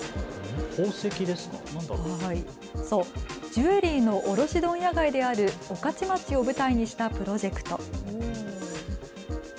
ジュエリーの卸問屋街である御徒町を舞台にしたプロジェクト。